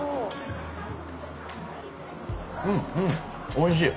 おいしい。